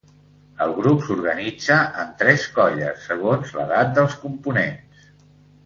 El grup s'organitza en tres colles, segons l'edat dels components.